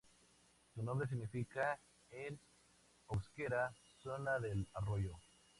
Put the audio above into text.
Su nombre significa en euskera "zona del arroyo".